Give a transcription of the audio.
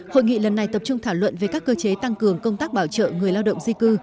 hội nghị lần này tập trung thảo luận về các cơ chế tăng cường công tác bảo trợ người lao động di cư